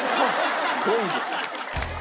５位でした。